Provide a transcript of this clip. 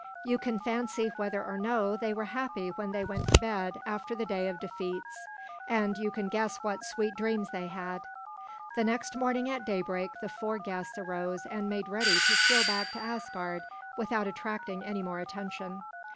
You can fancy whether or no they were happy when they went to bed after the day of defeats, and you can guess what sweet dreams they had. The next morning at daybreak the four guests arose and made ready to steal back to Asgard without attracting any more attention.